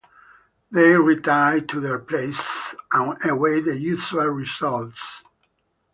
They retire to their places and await the usual results.